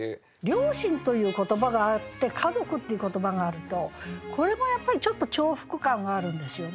「両親」という言葉があって「家族」っていう言葉があるとこれもやっぱりちょっと重複感があるんですよね。